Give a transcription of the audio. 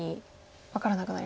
分からなくなりますか。